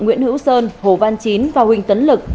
nguyễn hữu sơn hồ văn chín và huỳnh tấn lực